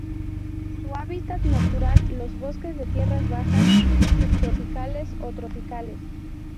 Su hábitat natural los bosques de tierras bajas subtropicales o tropicales.